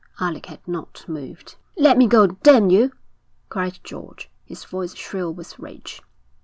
Alec had not moved. 'Let me go, damn you!' cried George, his voice shrill with rage.